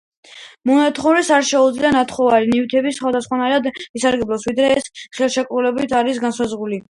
მონათხოვრეს არ შეუძლია ნათხოვარი ნივთით სხვაგვარად ისარგებლოს, ვიდრე ეს ხელშეკრულებით არის განსაზღვრული.